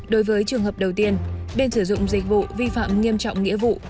đối với trường hợp đầu tiên bên sử dụng dịch vụ vi phạm nghiêm trọng nghĩa vụ